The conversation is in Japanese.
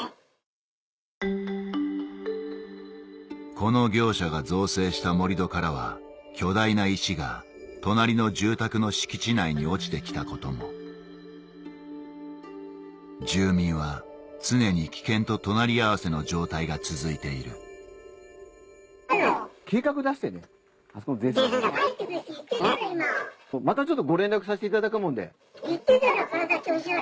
この業者が造成した盛り土からは巨大な石が隣の住宅の敷地内に落ちてきたことも住民は常に危険と隣り合わせの状態が続いている落ち着いて話をしましょう。